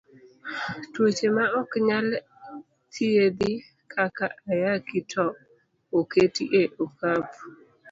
Tuoche ma ok nyal thiedhi kaka ayaki to oketi e okapu.